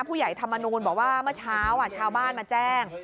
ผู้ใหญ่ธรรมนุนบอกว่าเมื่อเช้าชาวบ้านมาแจ้ง